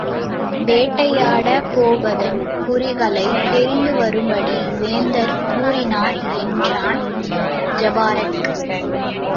வேட்டையாடப் போவதன் குறிகளைத் தெரிந்துவரும்படி வேந்தர் கூறினார் என்றான் ஜபாரக்.